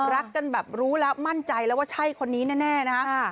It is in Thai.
รักกันแบบรู้แล้วมั่นใจแล้วว่าใช่คนนี้แน่นะฮะ